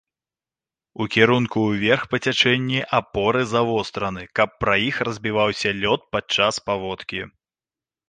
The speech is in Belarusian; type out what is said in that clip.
У кірунку ўверх па цячэнні апоры завостраны, каб пра іх разбіваўся лёд падчас паводкі.